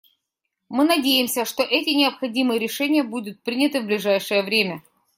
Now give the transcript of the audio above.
Мы надеемся, что эти необходимые решения будут приняты в ближайшее время.